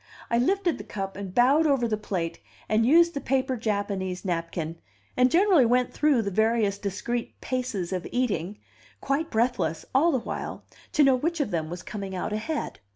I lifted the cup, and bowed over the plate, and used the paper Japanese napkin, and generally went through the various discreet paces of eating, quite breathless, all the while, to know which of them was coming out ahead.